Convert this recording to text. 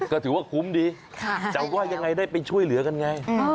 ก็ถือว่าคุ้มดีแต่ว่ายังไงได้ไปช่วยเหลือกันไง